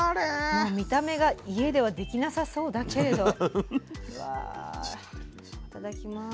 もう見た目が家ではできなさそうだけれどうわいただきます。